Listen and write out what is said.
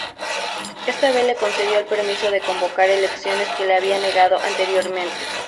Esta vez le concedió el permiso de convocar elecciones que le había negado anteriormente.